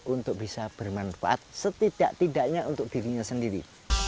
untuk bisa bermanfaat setidak tidaknya untuk dirinya sendiri